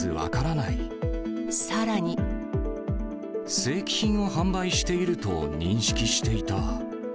正規品を販売していると認識